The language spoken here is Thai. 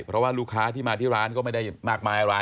เพราะว่าลูกค้าที่มาที่ร้านก็ไม่ได้มากมายอะไร